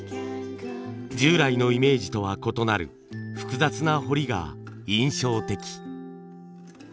従来のイメージとは異なる複雑な彫りが印象的。